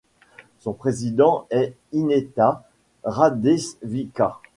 Son président est Ineta Radēviča.